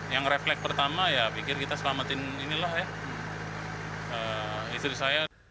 yang refleks pertama ya bikin kita selamatin inilah ya istri saya